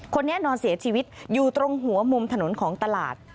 คนนี้นอนเสียชีวิตอยู่ตรงหัวมุมถนนของตลาด